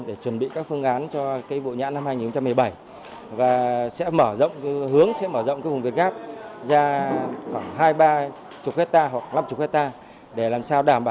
để chuẩn bị các phương án cho vụ nhãn năm hai nghìn một mươi bảy